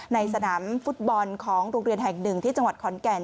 ในสนามฟุตบอลของโรงเรียนแห่งหนึ่งที่จังหวัดขอนแก่น